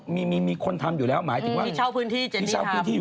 มีคนทำอยู่แล้วเหมือนว่าที่เช่าพื้นที่